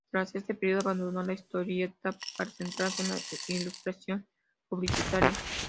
Tras este periodo abandonó la historieta para centrarse en la ilustración publicitaria.